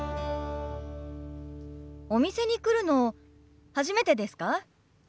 お店に来るの初めてですか？